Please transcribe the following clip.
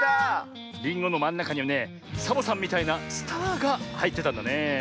りんごのまんなかにはねサボさんみたいなスターがはいってたんだねえ。